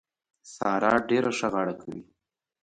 سارا ډېره ښه غاړه کوي.